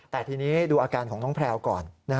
แต่ทีนี้ดูอาการของน้องแพลวก่อน